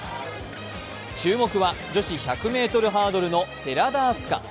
注目は女子１００ｍハードルの寺田明日香。